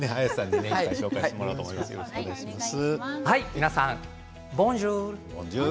皆さん、ボンジュール。